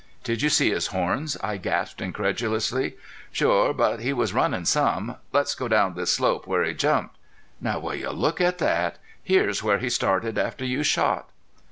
"Did you see his horns?" I gasped, incredulously. "Sure. But he was runnin' some. Let's go down this slope where he jumped.... Now will you look at that! Here's where he started after you shot."